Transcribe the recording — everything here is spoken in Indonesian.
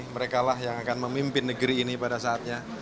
mereka lah yang akan memimpin negeri ini pada saatnya